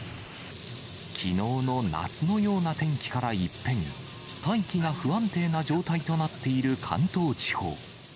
きのうの夏のような天気から一変、大気が不安定な状態となっている関東地方。